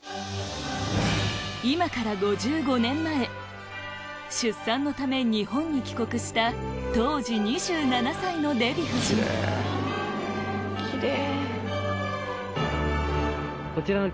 今から５５年前出産のため日本に帰国した当時２７歳のデヴィ夫人キレイ！